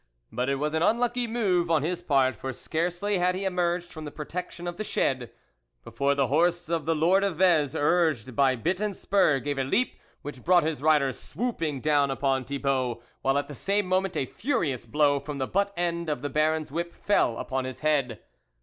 But it was an unlucky move on his part, for scarcely had he emerged from the protection of the shed, before the horse of the Lord of Vez, urged by bit and spur, gave a leap, which brought his rider swooping down upon Thibault, while at the same moment a furious blow from the butt end of the Baron's whip fell upon his head.